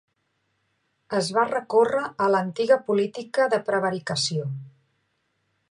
Es va recórrer a l'antiga política de prevaricació.